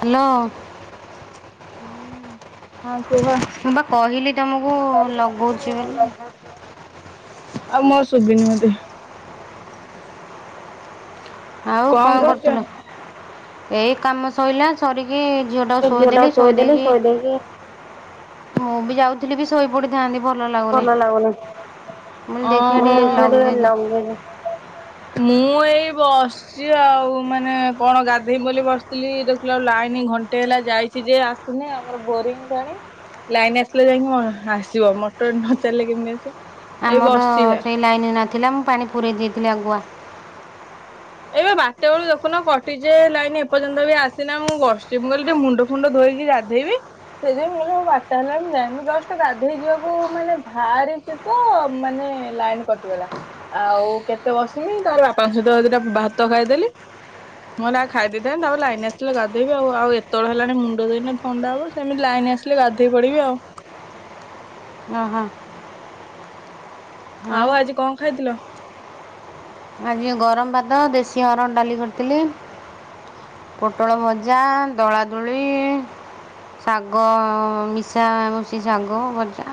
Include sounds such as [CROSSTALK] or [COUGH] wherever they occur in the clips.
Hello. ହୁଁ ହଁ କୁହ ମୁଁ ବା କହିଲି ତମକୁ ତ କହିଲି ତମେ [UNINTELLIGIBLE] ଲଗଉଛି ଅଛି ବୋଲି ଆଉ ମୁଁ ଆଉ ଶୁଭିନି ମତେ ଆଉ କଣ କରୁଥିଲୁ ଏଇ କାମ ସଇଲା ସରିକି ଝିଅଟାକୁ ଶୋଇଦେଲି ଶୋଇ ଦେଇକି ମୁଁ ବି ଯାଉଥିଲି ବି ଶୋଇପଡିଥାନ୍ତି ଭଲ ଲାଗୁନି ମୁଁ କହିଲି ଦେଖିବା ମୁଁ କହିଲି ଟିକେ ଟିକେ ଲଗେଇ ଲଗେଇଦେ। ହ [INAUDIBLE] ମୁଁ ଏଇ ବସ୍ ଆସଛି ଆଉ ମାନେ କଣ ଗାଧେଇବି ବୋଲି ବସିଥିଲି ଦେଖିଲାଳକୁ ଲାଇନ ଘଣ୍ଟେ ହେଲା ଯାଇଛି ଯେ ଆସ୍ କିଛି ନାହିଁ ଆମର ବୋରିଂ ପାଣି ଲାଇନ ଆସିଲେ ଯାଇଁକି ମ ଆସିବ ମଟ ଟର ନଚାଲିଲେ କେମିତି ଆସିବ? ଏଇ ଆମର ବସିଛି। ସେଇ ଲାଇନ୍ ନଥିଲା ମୁଁ ପାଣି ପୁରେଇ ଦେଇଥିଲି ଆଗୁଆ ଏବେ ବାଟେ ବେଳୁ ଦେଖୁନ କଟିଛେ ଲାଇନ ଏପର୍ଯ୍ୟନ୍ତ ବି ଆସିନା ମୁଁ ବସିଛି, ମୁଁ କହିଲି ଟିକେ ମୁଣ୍ଡ ମୁୁଣ୍ଡ ଧୋଇକି ଗାଧୋଇବି ସେଥିନାଇଁ କ ବାରଟା ହେଲାଣି ଯାଇନୁ, ଜଷ୍ଟ ଗାଧେଇ ଯିବାକୁ ମାନେ ବାହାରିଛି ତ ମାନେ ଲାଇନ କଟିଗଲା ଆଉ କେତେ ବସମି ତାର ବାପାଙ୍କ ସହିତ ଦିଟା ଭାତ ଖାଇଦେଲି ମୁଁ କହିଲ ଖାଇ ଦେଇଥାଏ, ତାପ ଲାଇନ ଆସିଲେ ଗାଧେଇବି ଆଉ, ଏତବେଳ ହେଲା ମୁଣ୍ଡ ଧୋଇନା ଥଣ୍ଡା ହବ, ସେମିତି ଲାଇନ୍ ଆସିଲେ ଗାଧୋଇ ପଡ଼ିବି ଆଉ ହ ହଁ ଆଉ ଆଜି କଣ ଖାଇଥିଲ? ଆଜି ଗରମ ଭାତ, ଦେଶୀ ହରଣ ଡାଲି କରିଥିଲି ପୋଟଳ ଭଜା, ଦଳାଦୁଳି ଶାଗ, ମିଶା ମିଶି ଶାଗ ଭଜା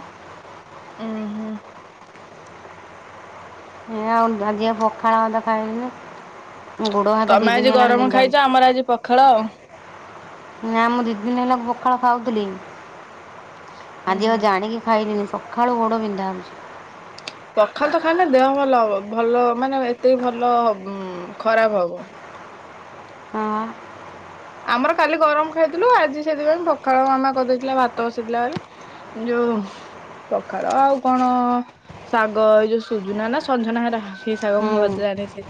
ଉଁ ହୁଁ ଏ ଆଉ ଆଜି ପଖାଳ ଭାତ ଖାଇଲିନି ମୋ ଗୋଡ଼ ହାତ ଦୁଇ ତମେ ଆଜି ଦିନ ହେଲାଣି ଗରମ ବିନ୍ଧା ଖାଇଛ ଆମର ଆଜି ପଖାଳ ଆଉ। ନା ମୁଁ ଦିଦିନି ହେଲା ପଖାଳ ଖାଉଥିଲି ଉୁଁ ଆଜି ଆଉ ହୁଁ। ଜାଣିକିି ଖାଇନି, ସଖାଳୁ ଗୋଡ ବିନ୍ଧା ହଉଛି ପଖାଳ ତ ଖାଇଲେ ଦେହ ଭଲ ହବ ଭଲ ମାନେ ଏତେ ଭଲ ଖରାପ ହବ ହଁ ଅଁ। ଆମର କାଲି ଗରମ ଖାଇଥିଲୁ, ଆଜି ସେଥିପାଇଁ ପଖାଳ ମାମା କରିଦେଇଥିଲା ଭାତ ବସିଥିଲା ବୋଲି ରୁ ପଖାଳ ଆଉ କଣ ଶାଗ ଏଇ ଯୋଉ ସୁଜୁନା ନା ସଜନା ହେ ସେଇ ଶାଗ ମୋ ହୁଁ ଅଜା ଆଣିଚି।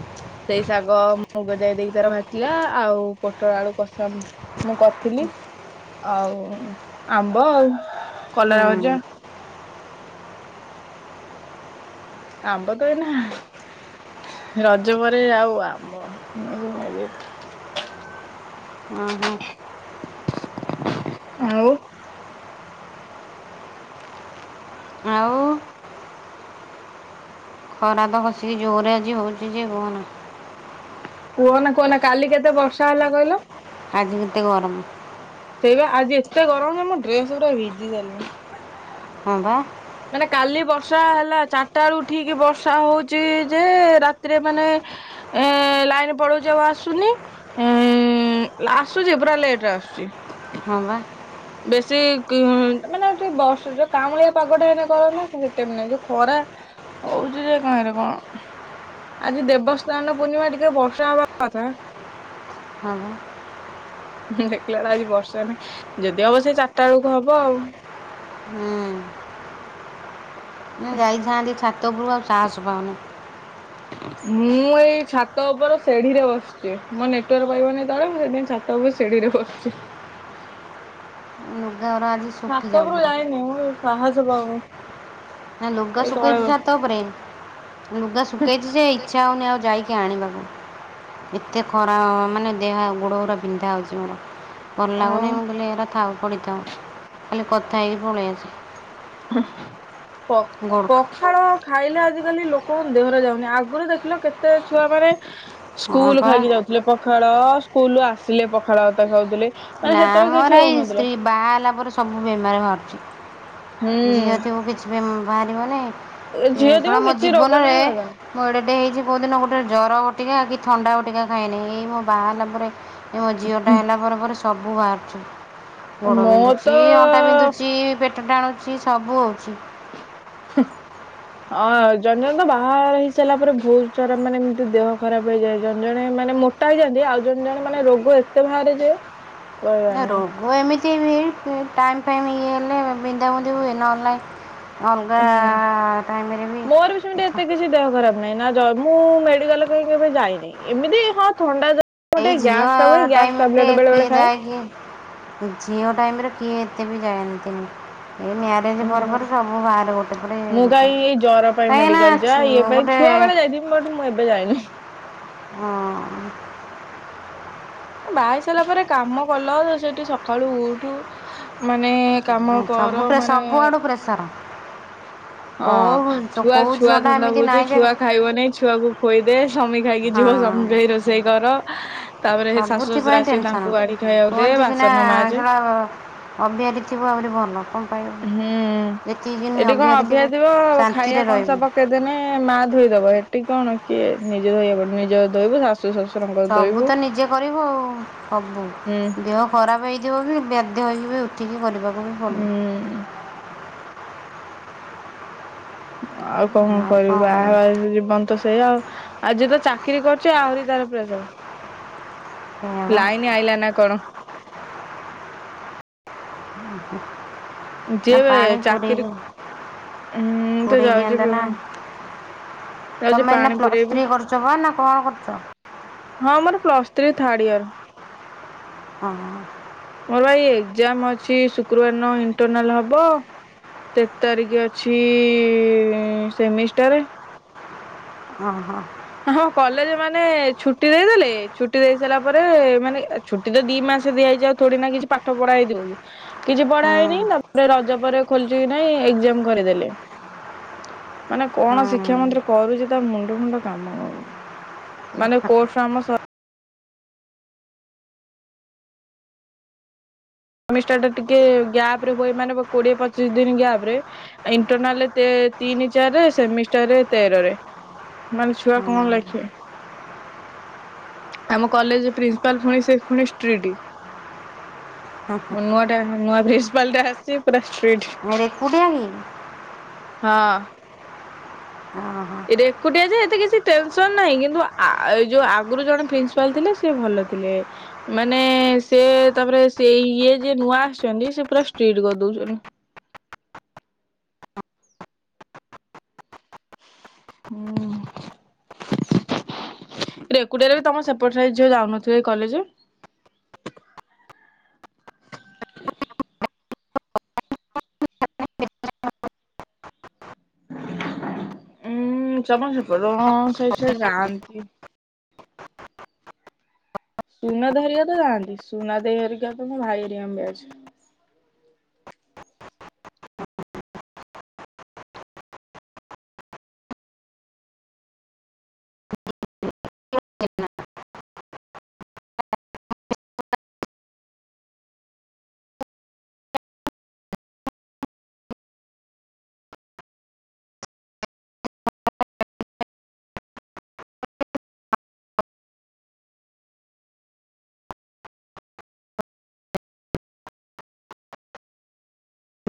ସେଇ ଶାଗ ମୁଗଜାଇ ଦେଇକି ତାର ଭାଜିଲା ଆଉ ପୋଟଳ ଆଳୁକୁ କସା ମୁଁ କରିଥିଲି ଆଉ ଆମ୍ବ ଆଉ, କଲରା ଭଜା ହୁଁ ଆମ୍ବ ତ ଏଇନା ରଜ ପରେ ଆଉ ଆମ୍ବ [UNINTELLIGIBLE] ହୁଁ ହୁଁ। ଆଉ ଆଉ ଖରା ତ ଖସିକି ଜୋରରେ ଆଜି ହଉଛି ଯେ କୁହନା କୁହନା, କୁହନା, କାଲି କେତେ ବର୍ଷା ହେଲା କହିଲ? ଆଜି ହେଇତ ଗରମ। ସେଇବା ଆଜି ଏତେ ଗରମ, ମୋ ଡ୍ରେସ ପୁରା ଭିଜି ସାରିଲାଣି ହଁବା। ମାନେ କାଲି ବର୍ଷା ହେଲା, ଚାରିଟା ବେଳୁ ଉଠିକି ବର୍ଷା ହଉଚି ଯେ, ରାତିରେ ମାନେ ଏ ଲାଇନ ପଳଉଛି ଆଉ ଆସୁନି। ହୁଁ, [UNINTELLIGIBLE] ଲେଟରେ ଆସୁଛି। ହଁ ବା। ବେଶୀ ମାନେ ଯ ବର୍ଷ ଯୋଉ କାମୁଳିଆ ପାଗଟା ହେ କରନ୍ତା ନା ସେମତି ନାଇଁ ଯୋଉ ଖରା ହଉଛି ଯେ କାହିଁରେ କଣ? ଆଜି ଦେବସ୍ନାନ ପୂର୍ଣ୍ଣିମା, ଟିକେ ବର୍ଷା ହବା କଥା ହଁ ବା। ହଁ ଦେଖିଲା ବେଳକୁ ଆଜି ବର୍ଷା ନାହିଁ, ଯଦି ହବ ସେ ଚାରିଟା ବେଳକୁ ହବ ଆଉ ହୁଁ ଉଁ। ନାଁ ଯାଇଥାନ୍ତି ଛାତ ଉପରୁ, ଆଉ ସାହସ ପାଉନି ମୁଁ ଏଇ ଛାତ ଉପର ସେଢି ରେ ବସିଛି, ମୋ ନେଟୱାର୍କ ପାଇବନି ତଳେ ସେ ତମେ ସେଡ଼ିରେ ବସିଛ। [UNINTELLIGIBLE] ଛାତ ଉପରକୁ ପୁରା ଯାଇନି ମୁଁ ସାହସ ପାଉନି। ନା ଲୁଗା ଏଇ ତଳେ ସୁଖେଇଛି ବସି ଛାତ ଉପରେ। ଲୁଗା ଶୁଖେଇଛି ଯେ ଇଚ୍ଛା ହଉନି ଆଉ ଯାଇକି ଆଣିବାକୁ। ଏତେ ଖରା ମାନେ ଦେହ ଗୋଡ଼ ଗୁଡ଼ା ବିନ୍ଧା ହଉଛି ମୋର। ଭଲ ଆଉ ଲାଗୁନି ମୁଁ କହିଲି ଏଗୁରା ଥାଉ ପଡ଼ିଥାଉ ଖାଲି କଥା ହେଇକି ପଳେଇ ଆସେ। [UNINTELLIGIBLE] ଗୋଡ଼ ପଖାଳ ଖାଇଲେ ଆଜିକାଲି ଲୋକଙ୍କ ଦେହରେ ଯାଉନି ଆଗରୁ ଦେଖିଲ କେତେ ଛୁଆ ମାନେ। ହଁ ସ୍କୁଲ ପା ଖାଇକି ଯାଉଥିଲେ ପଖାଳ ସ୍କୁଲ ରୁ ଆସିଲେ ପଖାଳ ଭାତ ଖାଉଥିଲେ। ମାନେ ନା ସେତେବେଳେ ମୋ କିଛି ର ଏଇ ହଉନଥିଲା ସ୍ତ୍ରି ବାହା ହେଲା ପରେ ସବୁ ବେମାରି ବାହାରୁଛି। ହୁଁ। ଝିଅ ଥିବୁ କିଛି ବି ବାହାରି ବନି ସେ ଝିଅ ଥିବ ଶଳା ମୋ କିଛି ରୋଗ ଜୀବନରେ ନାହିଁ ବାଗ ନାହିଁ। ମୁଁ ଏଡେ ଟେ ହେଇଛି କୋଉ ଦିନ ଗୋଟେ ଜର ବଟିକା କି ଥଣ୍ଡା ବଟିକା ଖାଇନି ଏଇ ମୋ ବାହା ହେଲା ପରେ। ଏ ମୋ ଝିଅଟା ହେଲା ପରେ ପରେ ସବୁ ବାହାରୁଛି। ଗୋଡ ମୋର ବିନ୍ଧୁଛି ଅଣ୍ଟା ତ ବିନ୍ଧୁଛି ପେଟ ଟାଣୁଛି ସବୁ ହଉଛି। ହଁ ଜଣେ ଜଣେ ତ ବାହାଘର ହେଇ ସାରିଲା ପରେ ବହୁତ ସାରା ମାନେ ଏମତି ଦେହ ଖରାପ ହେଇଯାଏ ଜଣ ଜଣେ ମାନେ ମୋ ଟା ହେଇଯାନ୍ତି ଆଉ ଜଣେ ଜଣେ ମାନେ ରୋଗ ଏତେ ବାହାରେ ଯେ କହିବାର ନା ନାହିଁ। ରୋଗ ଏମିତି ବି ଟାଇମ ଫାଇମ ଇଏ ହେଲେ ବିନ୍ଧାବିନ୍ଧି ହୁଏ ନହେଲେ ନାଇ ଅଲଗା ହୁଁ। ଟାଇମରେ ବି। ମୋର ସେମିତି ଏତେ କିଛି ଦେହ ଖରାପ ନାଇଁ ନା ଜ ମୁଁ ମେଡିକାଲ କାଇଁ କେବେ ଯାଇନେଇ ଏମିତି ହଁ ଥଣ୍ଡା ଜ ଏଇ ଝିଅ ଟାଇମେ ବେଳେ ବେଳେ କିଏ ଖାଏ। ଯାଏ କି। ଝିଅ ଟାଇମରେ କିଏ ଏତେ ବି ଯାଆନ୍ତିନି ଏ ମ୍ୟା ରେଜ ହୁଁ। ପରେ ପରେ ସବୁ ବାହରେ ଗୋଟେ ପରେ ମୁଁ ଗୋଟେ କାହିଁ ଏଇ ଜର କାହିଁକିନା ଛୁ ଗୋଟେ। ବଟ୍ ମୁଁ ଏବେ ଯାଇନି ହିଁ। ହଁ। ବାହା ସାରିଲା ପରେ କାମ କଲ ସେଠି ସକାଳୁ ଉଠୁ। ମାନେ କାମ କର ମାନେ ପ୍ରେସର। ହଁ ଛୁଆ ଛୁଆ ଧନ୍ଦା ବୁଝ ନାହିଁ ଯେ ଛୁଆ ଖାଇବ ନେଇ ଛୁଆକୁ ଖୋଇଦେ ସ୍ବାମୀ ଖାଇକି ଯିବ ସ୍ଵାମି ହଁ ପାଇଁ ରୋଷେଇ କର ତାପରେ ସେ ଶାଶୁ ଶ୍ୱଶୁର ସବୁଥିପାଇଁ ଆସିବେ ଟେନସନ୍ ତାଙ୍କୁ ବାଢ଼ି କୁହନ୍ତି ସିନା ଶଳା ଅଭିଆରି ଥିବ ଆହୁରି ଭଲ କ ହୁଁ ଏଠି କଣ ଅବିହାରି ଥିବୁ ଅଭିଆରି ଥିବ ଶାନ୍ତିରେ ଖାଇବା କଂସା ରହିବୁ ପକେଇ ଦେନେ ମା ଧୋଇଦବ ସେଠି କଣ କିଏ ନିଜେ ଧୋଇବାକୁ ପଡିବ ନିଜ ଧୋଇବୁ ଶାଶୁ ଶସୁ ସବୁ ତ ନିଜେ କରିବୁ ଆଉ ସବୁ ହୁଁ ଦେହ ଖରାପ ହେଇଥିବ ବି ବେଧ୍ୟ ହେଇକି ବି ଉଠିକି କରିବାକୁ ପଡ଼ିବ ହୁଁ। ଆଉ କଣ ଆଉ କରିବୁ ବାହା କରିବା ହେଇଚୁ ଜୀବନ ତ ସେଇଆ ଆଉ। ଆଉ ଯିଏ ତ ଚାକିରି କରୁଛ ଆହୁରି ତାର ପ୍ରେସର। ସେଇଆ ବା ଲାଇନ ଆଇଲା ନା କଣ। ନା ଯିଏ ପାଣି ଚାକିରି ପୁରେଇଲି ମୁଁ ତ ପୁରେଇ ଯାଉଛି ଦିଆନ୍ତନା। ଯାଉଛି ତମେ ଏଇନା ପାଣି ପ୍ଲସ ପୁରେଇବି ଥ୍ରୀ କରୁଛ ବା ନା କଣ କରୁଛ? ହଁ ମୋର ପ୍ଲସ ଥ୍ରୀ ଥାର୍ଡ ଇୟର। ହଁ। ମୋର ବା ଇଏ ଏକ୍ଜାମ ଅଛି ଶୁକ୍ରବାର ନ ଇଣ୍ଟରନାଲ ହବ। ତେର ତାରିଖ ଅଛି ସେମିଷ୍ଟାର। ଅ‌ ହ। ଆମ କଲେଜ ମାନେ ଛୁଟି ଦେଇଦେଲେ ଛୁଟି ଦେଇ ସାରିଲା ପରେ ମାନେ ଛୁଟି ତ ଦି ମାସ ଦିଆ ହେଇଛି ଆଉ ଥୋଡି ନା କିଛି ପାଠ ପଢା ହେଇ ଥିବା କି କିଛି ପଢା ହେଇନି ତ ରଜ ପରେ ଖୋଲିଛି କି ନାଇଁ ଏକ୍ଜାମ୍ କରିଦେଲେ। ମାନେ କଣ ହଁ ଶିକ୍ଷା ମନ୍ତ୍ରୀ କରୁଛି ତା ମୁଣ୍ଡ ଫୁଣ୍ଡ କାମ କରୁନି ମାନେ କୋର୍ସ ଆମ ସ ସେମିଷ୍ଟର ଟା ଟିକେ ଗ୍ୟାପ ରେ ହୁଏ ମାନେ କୋଡିଏ ପଚିଶ ଦିନ ଗ୍ୟାପ ରେ ଇଣ୍ଟରନାଲରେ ତେ ତିନି ଚାରିରେ ସେମିଷ୍ଟରରେ ତେରରେ। ମାନେ ଛୁଆ କଣ ହଁ ଲେଖିବେ। ଆମ କଲେଜ ପ୍ରିନ୍ସିପାଲ ପୁଣି ସେ ପୁଣି ଷ୍ଟ୍ରିଟ ନୂଆ ଟା ନୂଆ ପ୍ରିନସିପାଲଟା ଆସି ପୁରା ଷ୍ଟ୍ରିଟ୍। ରେକୁଟିଆ କି? ହଁ। ଓଁ ହୋ। ଏକୁଟିଆ ଯେ ଏତେ କିଛି ଟେନସନ ନାହିଁ, କିନ୍ତୁ ଆ ଏ ଯୋଉ ଆଗରୁ ଜଣେ ପ୍ରିନ୍ସିପାଲ ଥିଲେ ସେ ଭଲ ଥିଲେ। ମାନେ ସେ ତାପରେ ସେ ଇଏ ଯେ ନୂଆ ଆସିଛନ୍ତି ସେ ପୁରା ଷ୍ଟ୍ରିଟ୍ କରିଦଉଛନ୍ତି। ହମ୍। ରେକୁଟିଆରେ ବି ତମ ସେପଟ ଝିଅ ଯାଉନଥିବେ ଏଇ କଲେଜ। ଉଁ ତମ ସେପଟର କଣ କିଛି ଯାଆନ୍ତି। ସୁନାଦେଇ ହରିକା ତ ଯାଆନ୍ତି ସୁନା ଦେଇ ଗରିକା ତ ମୋ ଭାଇ ଗରିକାଙ୍କ ବ୍ୟାଚ। [UNINTELLIGIBLE]